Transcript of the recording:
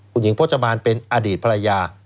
คุณหญิงพจมานเป็นอดีตภรรยา